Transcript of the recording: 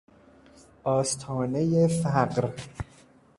آستانهی فقر